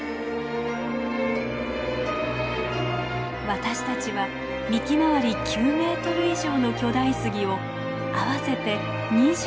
私たちは幹周り９メートル以上の巨大杉を合わせて２５本も見つけました。